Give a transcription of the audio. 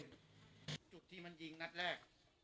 จุดที่มันยิงนัดแรก